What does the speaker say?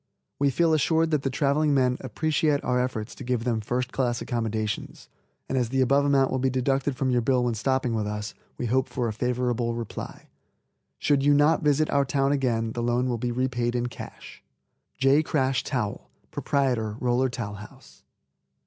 We feel assured that the traveling men appreciate our efforts to give them first class accommodations, and as the above amount will be deducted from your bill when stopping with us, we hope for a favorable reply. Should you not visit our town again the loan will be repaid in cash. J. KRASH TOWEL, Proprietor Roller Towel House.